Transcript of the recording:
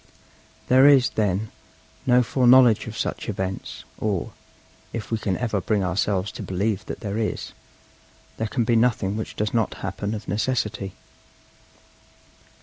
There is, then, no foreknowledge of such events; or, if we can ever bring ourselves to believe that there is, there can be nothing which does not happen of necessity.